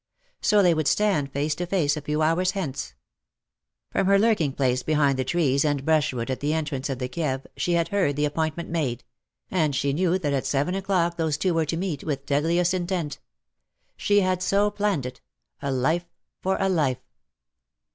S o they would stand face to face a few hours hence. From her lurking place behind the trees and brushwood at the entrance to the Kieve WITH A PALE YET STEADY FACE/' 263 she had heard the appointment made — and she knew that at seven o^clock those two were to meet^ with deadliest intent. She had so planned it — a life for a life.